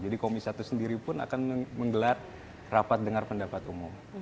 jadi komis satu sendiri pun akan menggelar rapat dengar pendapat umum